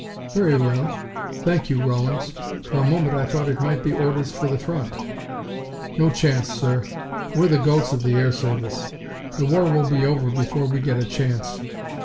"Very well. Thank you, Rawlins. For a moment I thought it might be orders for the front." "No chance, sir. We're the goats of the air service. The war will be over before we get a chance.